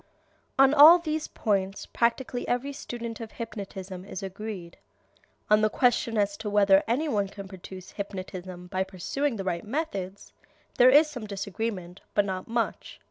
On all these points practically every student of hypnotism is agreed. On the question as to whether any one can produce hypnotism by pursuing the right methods there is some disagreement, but not much.